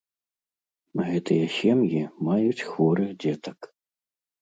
Гэтыя сем'і маюць хворых дзетак.